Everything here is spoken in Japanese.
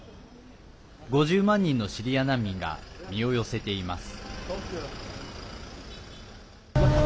５０万人のシリア難民が身を寄せています。